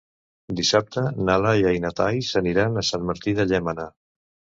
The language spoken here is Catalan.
Dissabte na Laia i na Thaís aniran a Sant Martí de Llémena.